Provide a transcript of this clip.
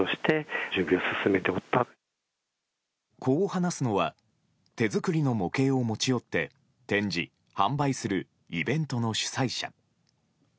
こう話すのは手作りの模型を持ち寄って展示・販売するイベントの主催者。